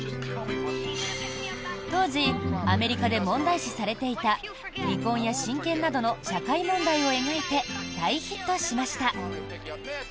当時アメリカで問題視されていた離婚や親権などの社会問題を描いて、大ヒットしました。